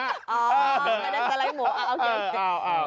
อ๋อไม่ได้สไลด์หมูเออเออเออ